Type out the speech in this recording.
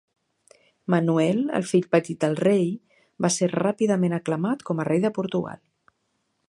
Manuel, el fill petit del rei, va ser ràpidament aclamat com a rei de Portugal.